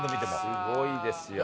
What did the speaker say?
すごいですよ。